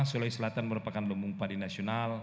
sulawesi selatan merupakan lombong pari nasional